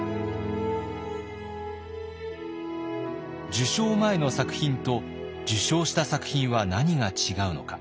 受賞前の作品と受賞した作品は何が違うのか。